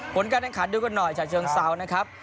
ผลการแข่งขันดูกันหน่อยฉะเชิงเซานะครับ